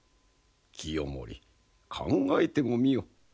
清盛考えてもみよ。